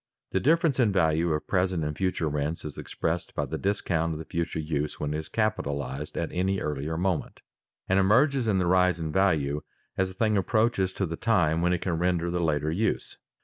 _ The difference in value of present and future rents is expressed by the discount of the future use when it is capitalized at any earlier moment, and emerges in the rise in value as the thing approaches to the time when it can render the later use.